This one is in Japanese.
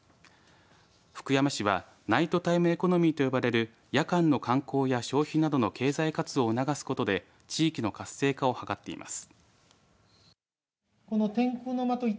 福山市はナイトタイムエコノミーと呼ばれる夜間の観光や消費などの経済活動を促すことで地域の活性化を図っています。